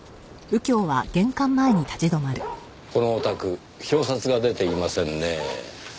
このお宅表札が出ていませんねぇ。